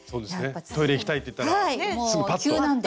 トイレ行きたいって言ったらすぐパッと。